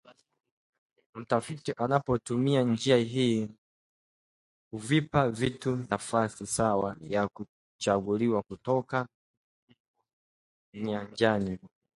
Mtafiti anapotumia njia hii huvipa vitu nafasi sawa ya kuchaguliwa kutoka nyanjani